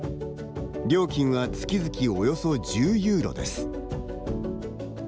料金は月々およそ１０ユーロです。